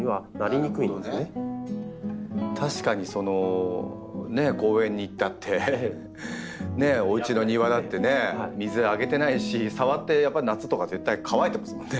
確かに公園に行ったってねおうちの庭だってね水あげてないし触ってやっぱり夏とか絶対乾いてますもんね